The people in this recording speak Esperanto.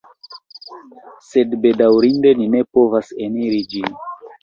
Sed, bedaŭrinde ni ne povas eniri ĝin.